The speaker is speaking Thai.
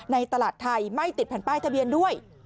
ในตลาดไทยไม่ติดแผ่นป้ายทะเบียนด้วย